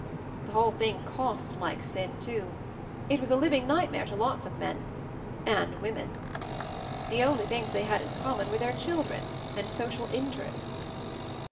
"The whole thing cost like sin, too. It was a living nightmare to lots of men — and women! The only things they had in com mon were their children and 'social interests.'